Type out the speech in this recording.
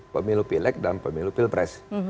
pemilu pilek dan pemilu pilpres